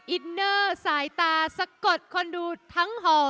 อินเนอร์สายตาสะกดคนดูทั้งห่อ